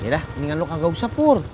yaudah mendingan lu kagak usah pur